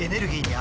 あ！